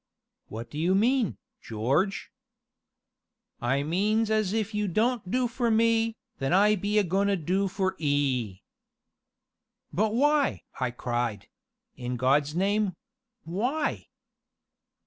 "What do you mean, George?" "I means as if you don't do for me, then I be a goin' to do for 'ee." "But why?" I cried; "in God's name why?"